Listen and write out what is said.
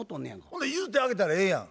ほな譲ってあげたらええやん。